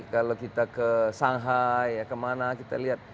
kalau kita ke shanghai kemana kita lihat